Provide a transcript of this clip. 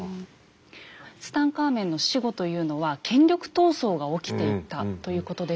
ツタンカーメンの死後というのは権力闘争が起きていたということでした。